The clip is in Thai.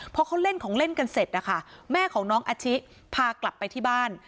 พอเขาเล่นของเล่นกันเสร็จนะคะแม่ของน้องอาชิพากลับไปที่บ้าน